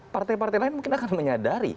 partai partai lain mungkin akan menyadari